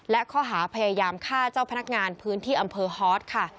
และข้อหาพยายามฆ่าเจ้าพนักงานพื้นที่อำเภอฮอตค่ะ